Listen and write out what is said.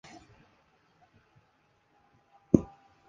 被证实将为该片提供故事。